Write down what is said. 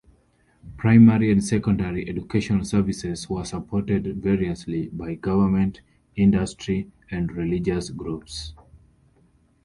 Primary and secondary educational services were supported variously by government, industry and religious groups.